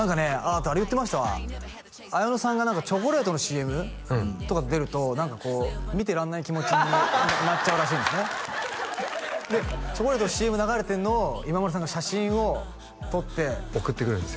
あとあれ言ってましたわ綾野さんが何かチョコレートのＣＭとか出るとこう見てらんない気持ちになっちゃうらしいんですねでチョコレートのＣＭ流れてんのを今村さんが写真を撮って送ってくるんですよ